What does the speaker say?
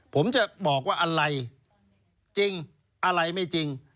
ผมจะบอกว่าอะไรจริงอะไรไม่จริง